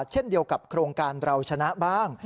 เช่นเดียวกับโครงการเราชนะบ้าง